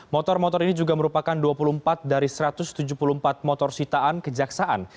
motor motor ini juga merupakan dua puluh empat dari satu ratus tujuh puluh empat motor sitaan kejaksaan